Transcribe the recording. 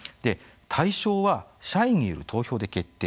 大賞は社員による投票で決定。